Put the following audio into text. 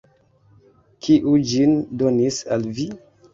Kiu ĝin donis al vi?